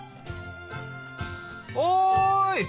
おい！